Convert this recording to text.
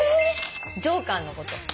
「ジョーカー」のこと。